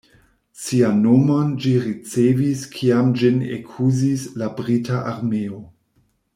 Sian nomon ĝi ricevis kiam ĝin ekuzis la Brita Armeo.